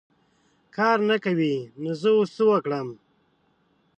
کار نه کوې ! نو زه اوس څه وکړم .